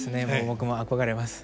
僕も憧れます。